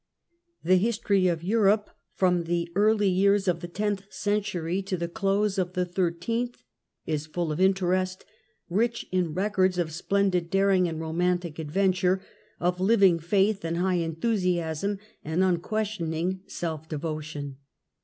The history of Europe from tlie early years of the tenth century to the close of the thirteenth century is full of interest, rich in records of splendid daring and romantic adventure, of living faith and high enthusiasm and unquestioning self devotion.